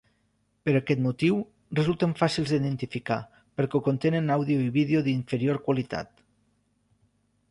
Per aquest motiu, resulten fàcils d'identificar perquè contenen àudio i vídeo d'inferior qualitat.